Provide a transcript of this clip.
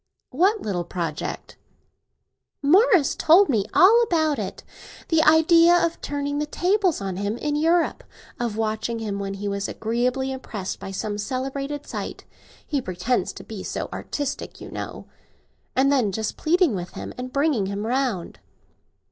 "What little project?" "Morris told me all about it. The idea of turning the tables on him, in Europe; of watching him, when he was agreeably impressed by some celebrated sight—he pretends to be so artistic, you know—and then just pleading with him and bringing him round."